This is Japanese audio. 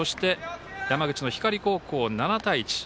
そして、山口の光高校７対１。